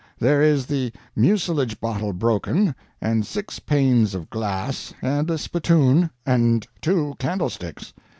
There is the mucilage bottle broken, and six panes of glass, and a spittoon, and two candlesticks.